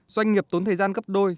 doanh nghiệp tốn thời gian gấp đôi